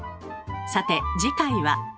さて次回は。